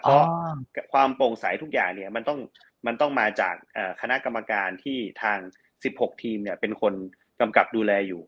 เพราะความโปร่งใสทุกอย่างเนี่ยมันต้องมาจากคณะกรรมการที่ทาง๑๖ทีมเป็นคนกำกับดูแลอยู่